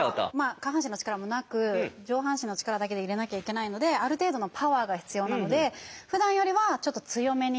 下半身の力もなく上半身の力だけで入れなきゃいけないのである程度のパワーが必要なのでふだんよりはちょっと強めに。